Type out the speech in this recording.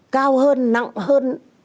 cao hơn nặng hơn